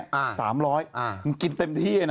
๓๐๐บาทมึงกินเต็มที่ไงนะ